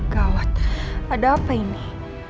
gawat ada apa ini